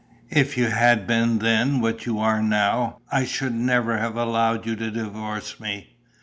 If you had been then what you are now, I should never have allowed you to divorce me....